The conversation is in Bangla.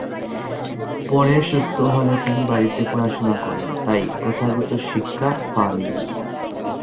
পরে সুস্থ হলে তিনি বাড়িতে পড়াশোনা করেন, তাই প্রথাগত শিক্ষা পাননি।